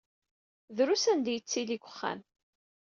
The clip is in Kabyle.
Drus anda ay yettili deg uxxam.